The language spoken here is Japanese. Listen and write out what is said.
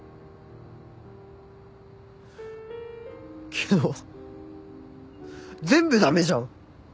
けど全部駄目じゃん！